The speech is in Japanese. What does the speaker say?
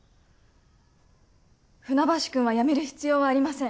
船橋くんは辞める必要はありません！